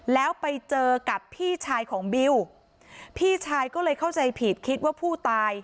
แล้วไปเจอกับพี่ชายของบิวพี่ชายก็เลยเข้าใจผิดคิดว่าผู้ตาย